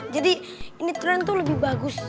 jadi ini tren tuh lebih bagus